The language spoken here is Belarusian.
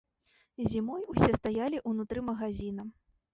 Зімой усе стаялі ўнутры магазіна.